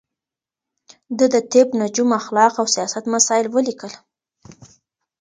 ده د طب، نجوم، اخلاق او سياست مسايل وليکل